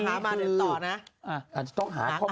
อ่าหามาต่อนะอ่าอ่าหาก่อนอ่าหาก่อน